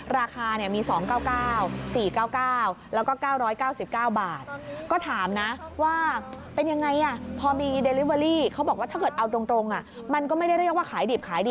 ราคามี๒๙๙๔๙๙แล้วก็๙๙๙บาท